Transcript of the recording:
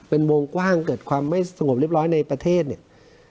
เป็นวงกว้างเกิดความไม่สงบเรียบร้อยในประเทศเนี่ย